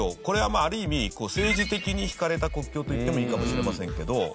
これはまあある意味政治的に引かれた国境と言ってもいいかもしれませんけど。